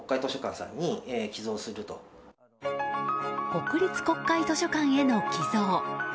国立国会図書館への寄贈。